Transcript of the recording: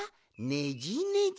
ねじねじ。